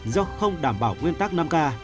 do không đảm bảo nguyên tắc năm k